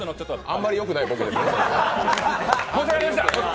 あんまりよくないことです。